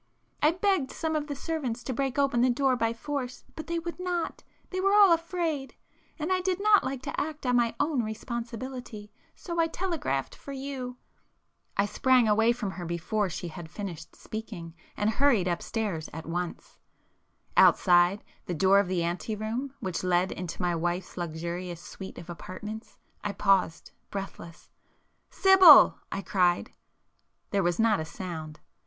I begged some of the servants to break open the door by force,—but they would not,—they were all afraid; and I did not like to act on my own responsibility, so I telegraphed for you——" I sprang away from her before she had finished speaking and hurried upstairs at once,—outside the door of the ante room which led into my wife's luxurious 'suite' of apartments, I paused breathless. "Sibyl!" I cried. There was not a sound.